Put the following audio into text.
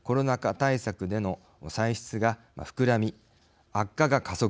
対策での歳出が膨らみ悪化が加速。